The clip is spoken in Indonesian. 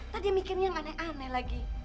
tadi mikirnya aneh aneh lagi